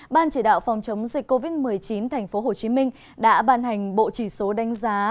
ban chỉ đạo phòng chống dịch covid một mươi chín tp hcm đã ban hành bộ chỉ số đánh giá